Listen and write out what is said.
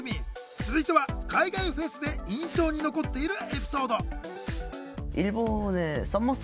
続いては海外フェスで印象に残っているエピソード。